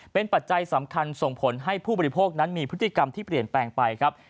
เป็นปัจจัยสำคัญส่งผลให้ผู้บริโภคนั้นมีพฤติกรรมที่เปลี่ยนแปลงไปครับ